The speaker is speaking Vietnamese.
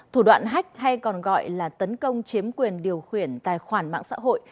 thủ đoạn hách hay còn gọi là tấn công chiếm quyền điều khiển tài khoản mạng xã hội